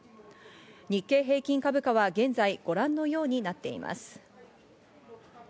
日経平均株価は現在、ご覧のようになっています。